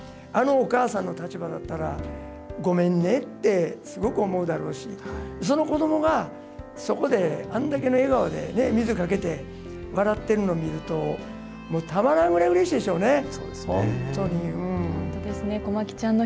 あのお母さんの立場だったら、ごめんねって、すごく思うだろうし、その子どもがそこであんだけの笑顔で水かけて、笑ってるのを見ると、もうたまらんぐらいうれしいでしょうね。